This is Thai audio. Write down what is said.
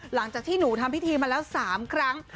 หลังจากที่หนูทำพิธีมาแล้ว๓ครั้ง